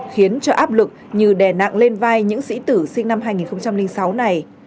khiến cho áp lực như đè nặng lên vai những sĩ tử sinh năm hai nghìn sáu này